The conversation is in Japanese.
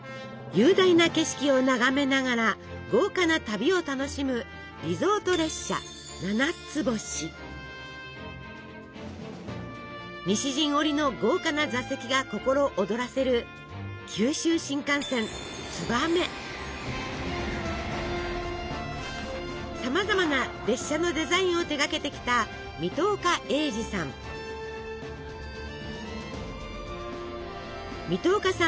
雄大な景色を眺めながら豪華な旅を楽しむリゾート列車西陣織の豪華な座席が心躍らせるさまざまな列車のデザインを手がけてきた水戸岡さん